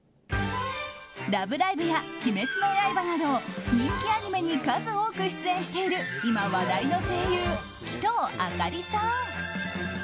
「ラブライブ！」や「鬼滅の刃」など人気アニメに数多く出演している今話題の声優、鬼頭明里さん。